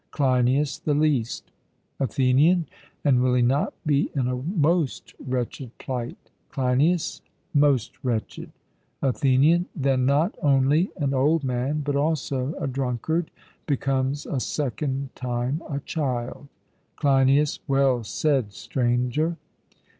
CLEINIAS: The least. ATHENIAN: And will he not be in a most wretched plight? CLEINIAS: Most wretched. ATHENIAN: Then not only an old man but also a drunkard becomes a second time a child? CLEINIAS: Well said, Stranger.